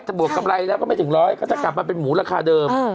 บวกกำไรแล้วก็ไม่ถึงร้อยก็จะกลับมาเป็นหมูราคาเดิม